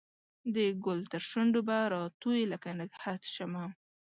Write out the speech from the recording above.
د ګل ترشو نډو به راتوی لکه نګهت شمه